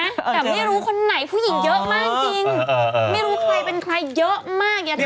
แต่ไม่รู้คุณในผู้หญิงเยอะมากจริง